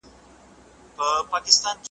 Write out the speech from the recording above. نو د سپیو لارښووني ته محتاج سي ,